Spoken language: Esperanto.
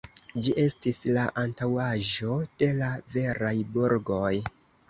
Ĝi estis la antaŭaĵo de la veraj burgoj.